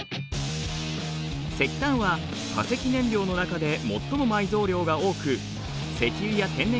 石炭は化石燃料の中で最も埋蔵量が多く石油や天然ガスに比べ